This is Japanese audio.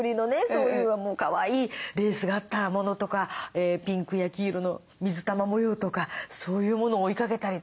そういうかわいいレースがあったものとかピンクや黄色の水玉模様とかそういうものを追いかけたりとか。